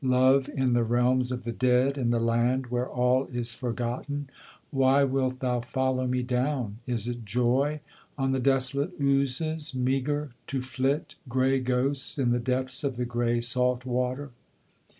Love in the realms of the dead, in the land where all is forgotten? Why wilt thou follow me down? is it joy, on the desolate oozes, Meagre to flit, gray ghosts in the depths of the gray salt water?